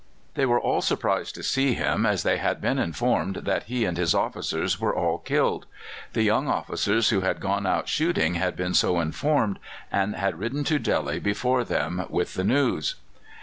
They were all surprised to see him, as they had been informed that he and his officers were all killed: the young officers who had gone out shooting had been so informed, and had ridden to Delhi before them with the news.